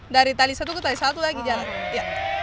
dari tali satu ke tali satu lagi jalan